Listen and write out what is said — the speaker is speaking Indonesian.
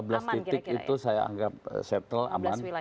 ya lima belas titik itu saya anggap settle aman